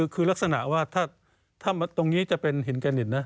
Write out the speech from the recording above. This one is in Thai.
คือลักษณะว่าถ้าตรงนี้จะเป็นหินแกนิตนะ